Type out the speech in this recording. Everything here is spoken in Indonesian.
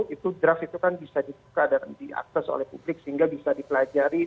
itu draft itu kan bisa dibuka dan diakses oleh publik sehingga bisa dipelajari